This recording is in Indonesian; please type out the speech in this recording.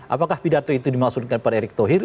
apakah pidato itu dimaksudkan pada erick thohir